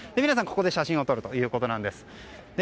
皆さん、ここで写真を撮るということなんです。